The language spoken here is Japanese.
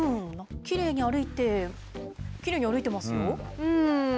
きれいに歩いて、歩いてますよ。